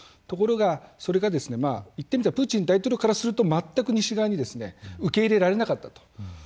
ところがそれがいってみればプーチン大統領からすると全く西側にですね受け入れられなかったと。